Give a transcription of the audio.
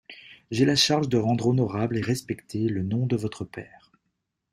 J'ai la charge de rendre honorable et respecté le nom de votre père.